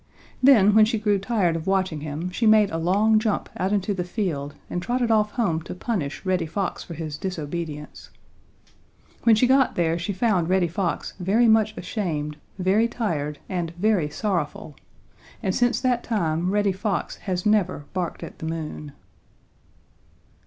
Then when she grew tired of watching him, she made a long jump out into the field and trotted off home to punish Reddy Fox for his disobedience. When she got there she found Reddy Fox very much ashamed, very tired and very sorrowful, and since that time Reddy Fox has never barked at the moon.